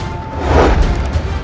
aku mau makan